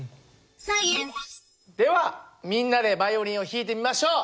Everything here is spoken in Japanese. ではみんなでバイオリンを弾いてみましょう！